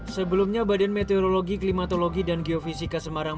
sebelumnya badan meteorologi klimatologi dan geofisika semarang